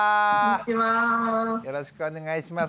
よろしくお願いします。